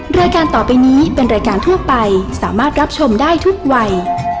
รายการต่อไปนี้เป็นรายการทั่วไปสามารถรับชมได้ทุกวัย